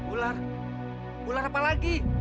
ular ular apa lagi